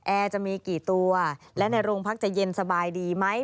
จะมีกี่ตัวและในโรงพักจะเย็นสบายดีไหม